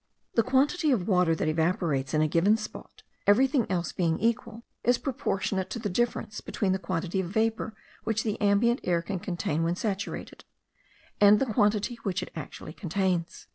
The quantity of water that evaporates in a given spot, everything else being equal, is proportionate to the difference between the quantity of vapour which the ambient air can contain when saturated, and the quantity which it actually contains.